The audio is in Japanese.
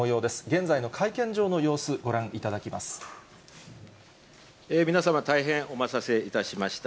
現在の会見場の様子、ご覧いただ皆様、大変お待たせいたしました。